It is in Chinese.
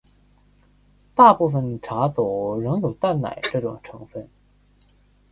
大部份茶走仍有淡奶这种成份。